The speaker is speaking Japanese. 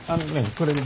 これね